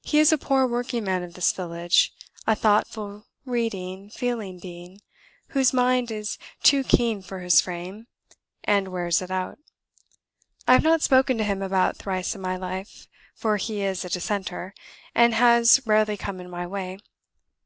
He is a poor working man of this village a thoughtful, reading, feeling being, whose mind is too keen for his frame, and wears it out. I have not spoken to him above thrice in my life, for he is a Dissenter, and has rarely come in my way.